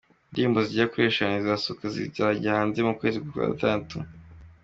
indirimbo zigera kuri eshanu zizasohoka zikajya hanze mu kwezi kwa Gatandatu.